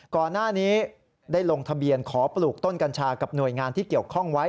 ก่อนหน้านี้ได้ลงทะเบียนขอปลูกต้นกัญชากับหน่วยงานที่เกี่ยวข้องไว้